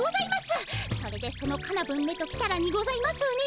それでそのカナブンめときたらにございますね。